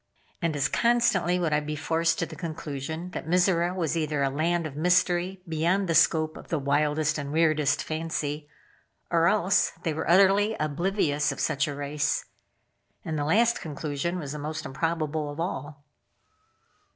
And as constantly would I be forced to the conclusion that Mizora was either a land of mystery beyond the scope of the wildest and weirdest fancy, or else they were utterly oblivious of such a race. And the last conclusion was most improbable of all.